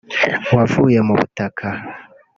wavuye mu butaka